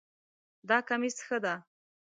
دا کمیس ښه ده